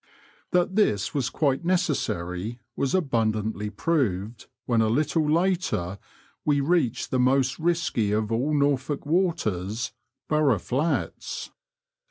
That this was quite necessary was abundantly proved, when a little later we reached the most risky of all Norfolk waters, Burgh Flats.